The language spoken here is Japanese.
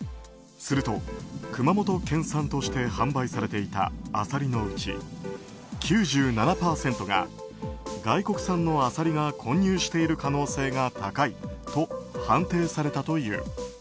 すると、熊本県産として販売されていたアサリのうち９７％が、外国産のアサリが混入している可能性が高いと判定されたという。